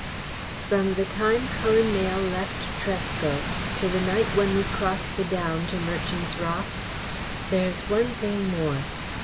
"From the time Cullen Mayle left Tresco to the night when we crossed the Down to Merchant's Rock? There's one thing more.